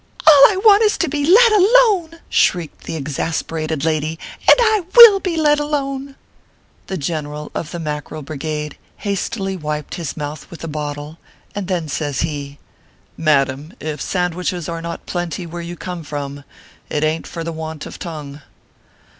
" All I want is to be let alone/ shrieked the exas perated lady ;" and I will be let alone !" The General of the Mackerel Brigade hastily wiped his mouth with a bottle, and then says he :" Madam, if sandwiches are not plenty where you come from, it ain t for the want of tongue."